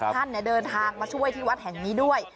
ท่านเนี่ยเดินทางมาช่วยที่วัดแห่งนี้ด้วย